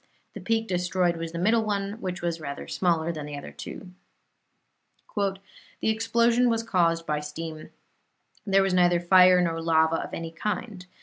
The peak destroyed was the middle one, which was rather smaller than the other two. "The explosion was caused by steam; there was neither fire nor lava of any kind.